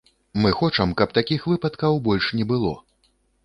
Мы хочам, каб такіх выпадкаў больш не было.